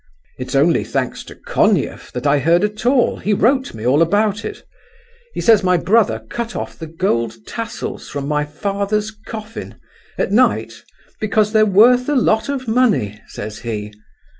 It's only thanks to Konief that I heard at all; he wrote me all about it. He says my brother cut off the gold tassels from my father's coffin, at night 'because they're worth a lot of money!' says he.